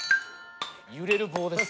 「揺れる棒です」